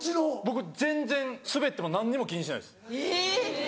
僕全然スベっても何にも気にしないです。え！